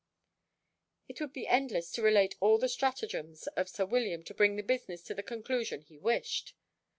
It would be endless to relate all the stratagems of sir William to bring the business to the conclusion he wished.